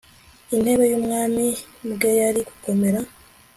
intebe y'ubwami bwe yari gukomera